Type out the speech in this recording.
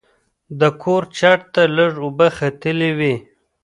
د کور چت ته لږ اوبه تللې وې.